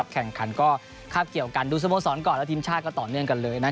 แข่งขันก็คาบเกี่ยวกันดูสโมสรก่อนและทีมชาติก็ต่อเนื่องกันเลย